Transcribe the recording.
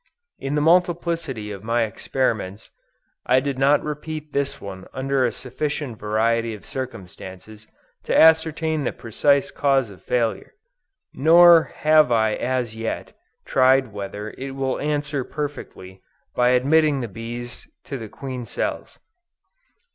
In the multiplicity of my experiments, I did not repeat this one under a sufficient variety of circumstances, to ascertain the precise cause of failure; nor have I as yet, tried whether it will answer perfectly, by admitting the bees to the queen cells.